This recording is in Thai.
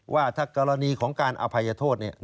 ว่ากรณีของการอภัยโทษ